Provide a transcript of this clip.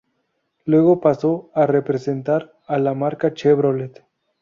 Luego pasó a representar a la marca Chevrolet.